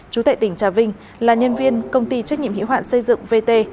chú tệ tỉnh trà vinh là nhân viên công ty trách nhiệm hiếu hoạn xây dựng vt